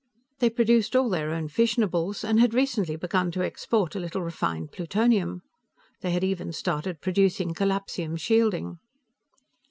They produced all their own fissionables, and had recently begun to export a little refined plutonium; they had even started producing collapsium shielding.